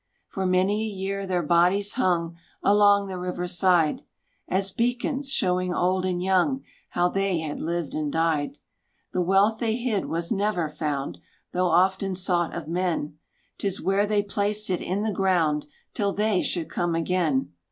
For many a year their bodies hung Along the river side; As beacons, showing old and young How they had lived and died. The wealth they hid was never found. Though often sought of men. 'Tis where they placed it in the ground, Till they should come again!